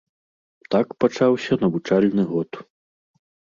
Так пачаўся навучальны год.